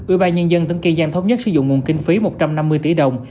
ủy ban nhân dân tỉnh kiên giang thống nhất sử dụng nguồn kinh phí một trăm năm mươi tỷ đồng